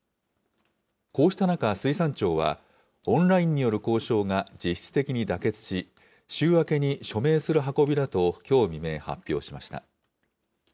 こうした中、水産庁は、オンラインによる交渉が実質的に妥結し、週明けに署名する運びだと、きょう未明発表しました。